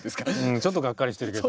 ちょっとガッカリしてるけど。